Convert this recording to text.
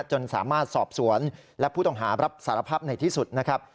จนสามารถสอบสวนและผู้ต้องหารับสารภาพในที่สุดนะครับ